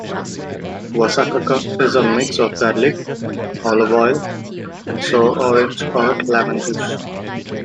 Wasakaka is a mix of garlic, olive oil, and sour orange or lemon juice.